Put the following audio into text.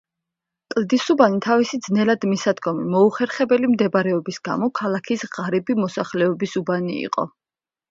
კლდისუბანი თავისი ძნელად მისადგომი, მოუხერხებელი მდებარეობის გამო ქალაქის ღარიბი მოსახლეობის უბანი იყო.